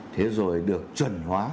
thế rồi được chuẩn hóa